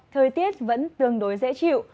thời tiết vẫn tương đối dễ chịu